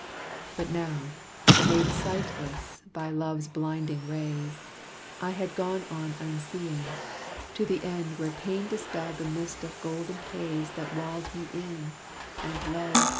But now, made sightless by love's blinding rays, I had gone on unseeing, to the end Where Pain dispelled the mist of golden haze That walled me in, and lo!